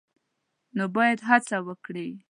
نو باید هڅه وکړي